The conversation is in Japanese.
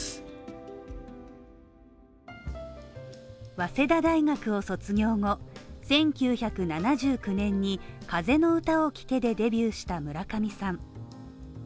早稲田大学を卒業後、１９７９年に「風の歌を聴け」でデビューした村上さん。